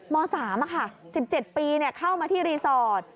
ม๓อะค่ะ๑๗ปีเนี่ยเข้ามาที่รีสอร์ท